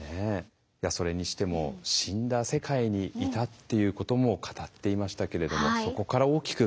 それにしても「死んだ世界にいた」っていうことも語っていましたけれどもそこから大きく変わりましたよね。